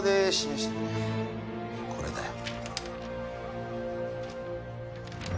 これだよ。